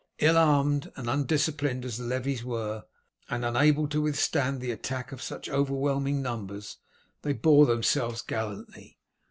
Ill armed and undisciplined as the levies were, and unable to withstand the attack of such overwhelming numbers, they bore themselves gallantly.